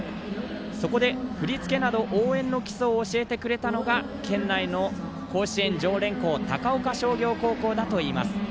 そこで、振り付けなど応援の基礎を教えてくれたのが県内の甲子園常連校高岡商業高校だといいます。